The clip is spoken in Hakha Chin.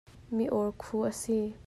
Mi orkhu a si.